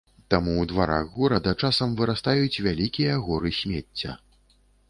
Таму ў дварах горада часам вырастаюць вялікія горы смецця.